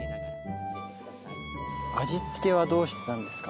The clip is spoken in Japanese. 味付けはどうしてたんですか？